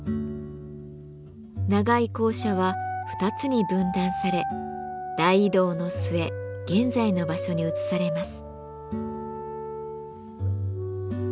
長い校舎は二つに分断され大移動の末現在の場所に移されます。